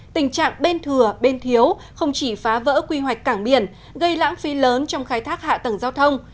tình trạng bên thừa bên thiếu không chỉ phá vỡ quy hoạch cảng biển gây lãng phí lớn trong khai thác hạ tầng giao thông